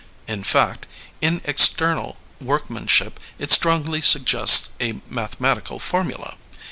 In fact, in external workmanship it strongly suggests a mathematical formula.